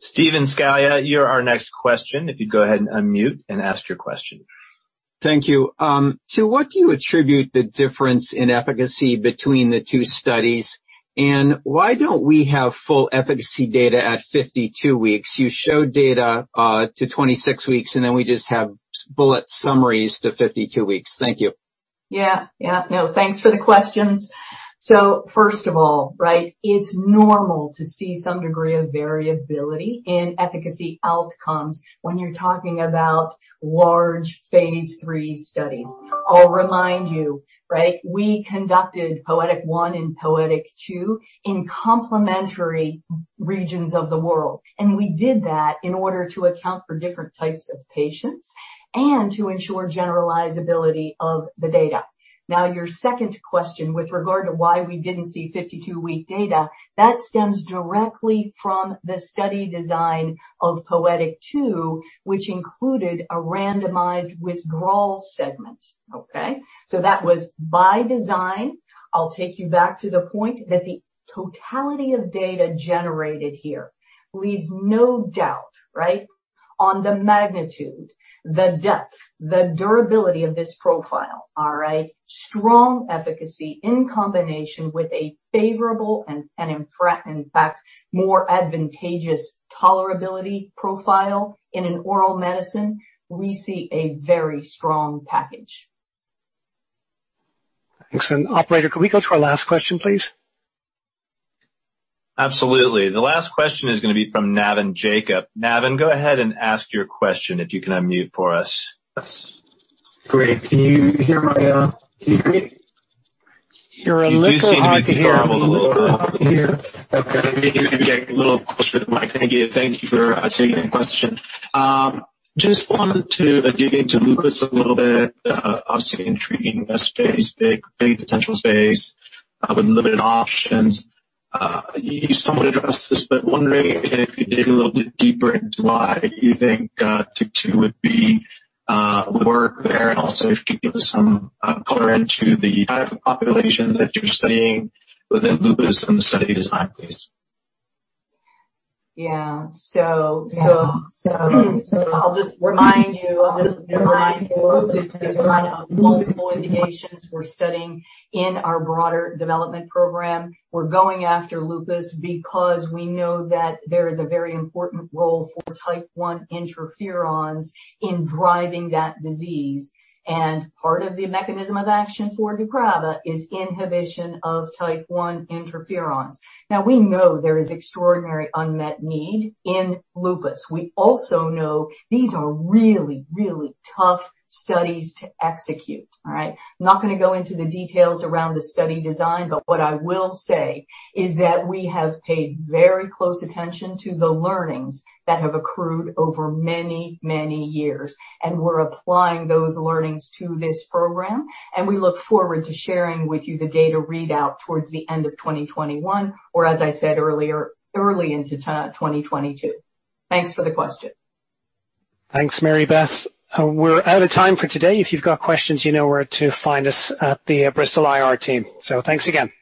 [Steven Scala], you're our next question. If you'd go ahead and unmute and ask your question. Thank you. To what do you attribute the difference in efficacy between the two studies? Why don't we have full efficacy data at 52 weeks? You showed data to 26 weeks, then we just have bullet summaries to 52 weeks? Thank you. Yeah. No, thanks for the questions. First of all, it's normal to see some degree of variability in efficacy outcomes when you're talking about large phase III studies. I'll remind you, we conducted POETYK PsA-1 and POETYK PsA-2 in complementary regions of the world, and we did that in order to account for different types of patients and to ensure generalizability of the data. Your second question with regard to why we didn't see 52-week data, that stems directly from the study design of POETYK PsA-2, which included a randomized withdrawal segment. Okay. That was by design. I'll take you back to the point that the totality of data generated here leaves no doubt on the magnitude, the depth, the durability of this profile. All right. Strong efficacy in combination with a favorable and in fact, more advantageous tolerability profile in an oral medicine. We see a very strong package. Thanks. Operator, could we go to our last question, please? Absolutely. The last question is going to be from [Navin Jacob]. Navin, go ahead and ask your question if you can unmute for us. Great. Can you hear me? You're a little hard to hear. Okay. Maybe I can get a little closer to the mic. Thank you. Thank you for taking the question. Just wanted to dig into lupus a little bit. Obviously an intriguing space, big potential space with limited options. You somewhat addressed this, but wondering if you dig a little bit deeper into why you think TYK2 would be work there. And also if you could give us some color into the type of population that you're studying within lupus in the study design? Please. I'll just remind you, lupus is one of multiple indications we're studying in our broader development program. We're going after lupus because we know that there is a very important role for Type I interferons in driving that disease. Part of the mechanism of action for DEUCRAVA is inhibition of Type I interferons. We know there is extraordinary unmet need in lupus. We also know these are really, really tough studies to execute. All right? I'm not going to go into the details around the study design, but what I will say is that we have paid very close attention to the learnings that have accrued over many, many years, and we're applying those learnings to this program, and we look forward to sharing with you the data readout towards the end of 2021 or, as I said earlier, early into 2022. Thanks for the question. Thanks, Mary Beth. We're out of time for today. If you've got questions, you know where to find us at the Bristol IR team. Thanks again.